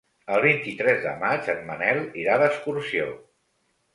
El vint-i-tres de maig en Manel irà d'excursió.